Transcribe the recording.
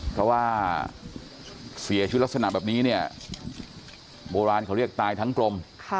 เพราะว่าเสียชีวิตลักษณะแบบนี้เนี่ยโบราณเขาเรียกตายทั้งกลม